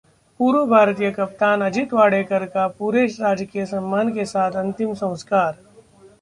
पूर्व भारतीय कप्तान अजीत वाडेकर का पूरे राजकीय सम्मान के साथ अंतिम संस्कार